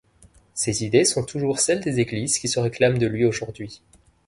Ses idées sont toujours celle des églises qui se réclament de lui aujourd’hui.